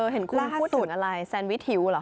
เห็นคุณพูดถึงอะไรแซนวิชหิวเหรอ